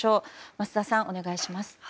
桝田さん、お願いします。